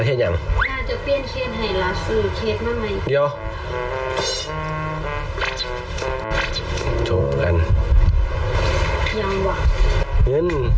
เจอจม